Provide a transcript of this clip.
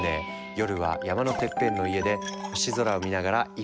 夜は山のてっぺんの家で星空を見ながら一杯。